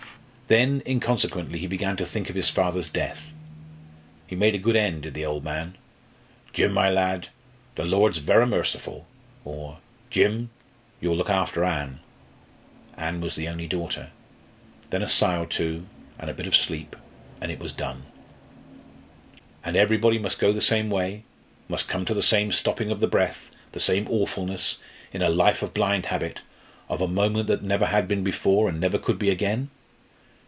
Then, inconsequently, he began to think of his father's death. He made a good end did the old man. "Jim, my lad, the Lord's verra merciful," or "Jim, you'll look after Ann." Ann was the only daughter. Then a sigh or two, and a bit of sleep, and it was done. And everybody must go the same way, must come to the same stopping of the breath, the same awfulness in a life of blind habit of a moment that never had been before and never could be again?